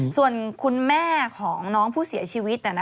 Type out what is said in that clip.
ส่วนคุณแม่ของน้องผู้เสียชีวิต